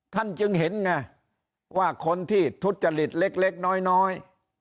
ท่านจึงเห็นไงว่าคนที่ทุจริตเล็กน้อย